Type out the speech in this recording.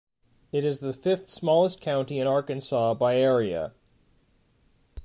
It is the fifth-smallest county in Arkansas by area.